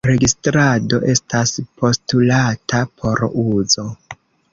Registrado estas postulata por uzo.